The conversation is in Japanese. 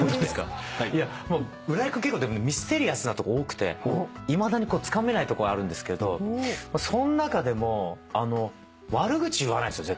浦井君結構ミステリアスなとこ多くていまだにつかめないとこあるんですけどその中でも悪口言わないんですよ絶対。